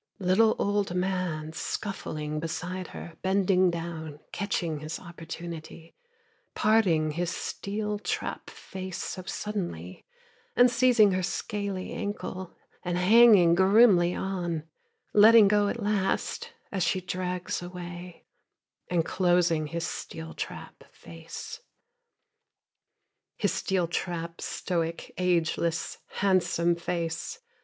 Little old man Scuffling beside her, bending down, catching his opportunity, Parting his steel trap face, so suddenly, and seizing her scaly ankle, And hanging grimly on, Letting go at last as she drags away, And closing his steel trap face. His steel trap, stoic, ageless, handsome face.